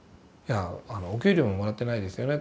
「お給料ももらってないですよね」